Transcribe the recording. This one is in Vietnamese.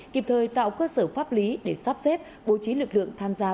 kịp thời tạo cơ sở pháp lý để sắp xếp bố trí lực lượng tham gia